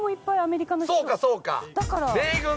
そうかそうか。